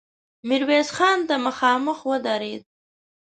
ميرويس خان ته مخامخ ودرېد.